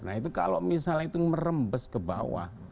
nah itu kalau misalnya itu merembes ke bawah